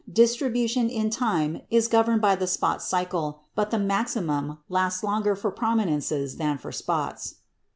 Distribution in time is governed by the spot cycle, but the maximum lasts longer for prominences than for spots.